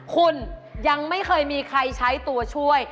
คุณยังไม่เคยมีใครใช้ตัวช่วย